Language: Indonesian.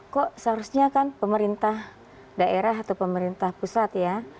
kok seharusnya kan pemerintah daerah atau pemerintah pusat ya